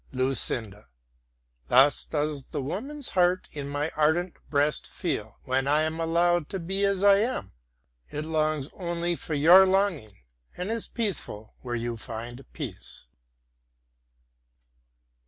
LUCINDA Thus does the woman's heart in my ardent breast feel, when I am allowed to be as I am. It longs only for your longing, and is peaceful where you find peace.